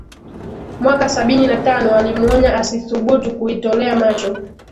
Mwaka sabini na tano alimuonya asithubutu kuitolea macho